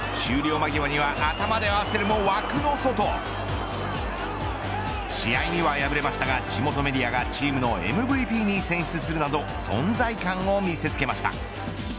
終了間際には頭で合わせるも、枠の外。試合には敗れましたが地元メディアがチームのＭＶＰに選出するなど存在感を見せつけました。